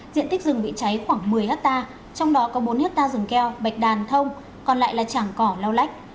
diện tích rừng bị cháy khoảng một mươi hectare trong đó có bốn hectare rừng keo bạch đàn thông còn lại là trảng cỏ lau lách